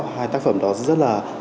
hai tác phẩm đó rất là